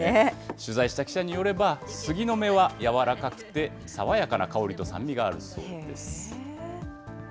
取材した記者によれば、スギの芽はやわらかくて爽やかな香りと酸味があるそうです。